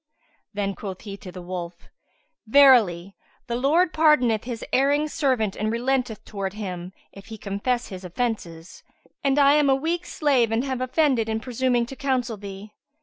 Then quoth he to the wolf, "Verily, the Lord pardoneth his erring servant and relenteth towards him, if he confess his offences; and I am a weak slave and have offended in presuming to counsel thee.